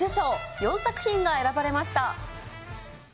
４作品が選ばれました。